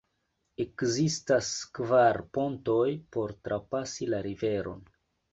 Ekzistas kvar pontoj por trapasi la riveron.